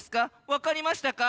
わかりましたか？